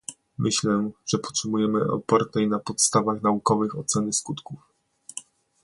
Myślę, że potrzebujemy opartej na podstawach naukowych oceny skutków